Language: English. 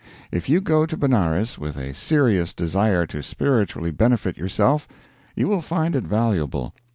If you go to Benares with a serious desire to spiritually benefit yourself, you will find it valuable.